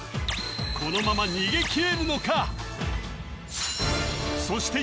このまま逃げ切れるのかそして